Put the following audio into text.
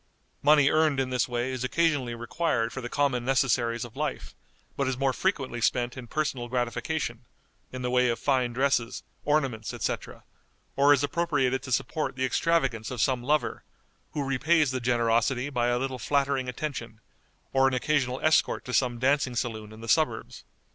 Money earned in this way is occasionally required for the common necessaries of life, but is more frequently spent in personal gratification, in the way of fine dresses, ornaments, etc., or is appropriated to support the extravagance of some lover, who repays the generosity by a little flattering attention, or an occasional escort to some dancing saloon in the suburbs.